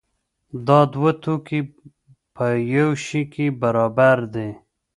دا دوه توکي په یو شي کې برابر دي.